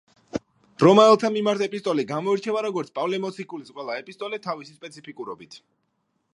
რომაელთა მიმართ ეპისტოლე გამოირჩევა როგორც პავლე მოციქულის ყველა ეპისტოლე თავისი სპეციფიკურობით.